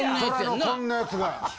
虎のこんなやつが。